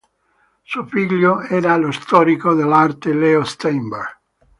Suo figlio era lo storico dell'arte Leo Steinberg.